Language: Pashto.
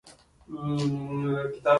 یو هېواد زیات ځایونه په زور تصرف کوي